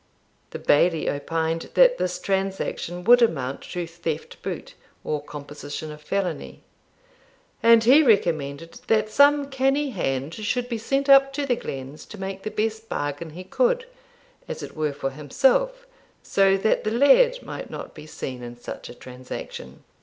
The Bailie opined that this transaction would amount to theft boot, or composition of felony; and he recommended that some canny hand should be sent up to the glens to make the best bargain he could, as it were for himself, so that the Laird might not be seen in such a transaction.